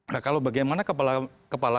nah kalau bagaimana kepala